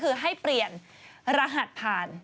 คือให้เปลี่ยนรหัสผ่าน